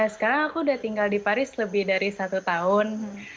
sekarang aku udah tinggal di paris lebih dari satu tahun